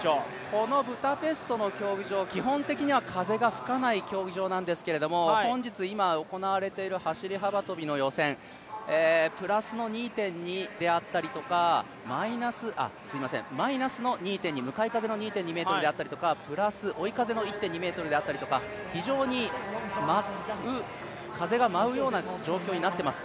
このブダペストの競技場、基本的には風が吹かない競技場なんですけれども、本日今行われている走幅跳の予選マイナスの２．２であったりとか、向かい風の２．２メートルであったりプラス、追い風の１．２メートルであったりとか、風が舞うような状況になっています